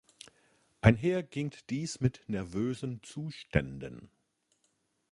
Einher ging dies mit nervösen Zuständen.